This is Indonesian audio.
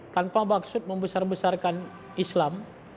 tanpa maksud membesar besarkan islam